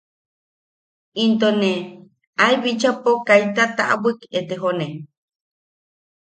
Into ne ae bichapo kaita taʼabwik etejone.